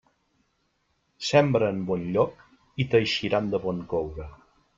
Sembra en bon lloc i t'eixiran de bon coure.